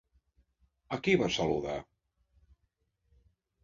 A qui va saludar?